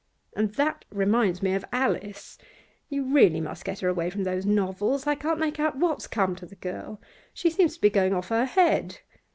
And that reminds me of Alice. You really must get her away from those novels. I can't make out what's come to the girl. She seems to be going off her head.